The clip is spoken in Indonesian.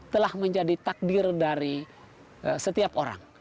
telah menjadi takdir dari setiap orang